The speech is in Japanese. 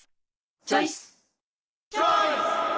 チョイス！